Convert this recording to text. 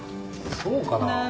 そうかな。